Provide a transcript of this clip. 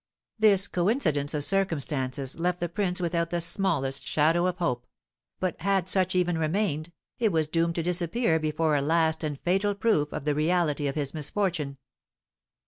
This coincidence of circumstances left the prince without the smallest shadow of hope; but had such even remained, it was doomed to disappear before a last and fatal proof of the reality of his misfortune.